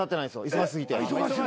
忙し過ぎて。